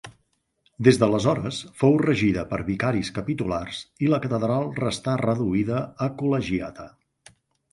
Des d’aleshores fou regida per vicaris capitulars i la catedral restà reduïda a col·legiata.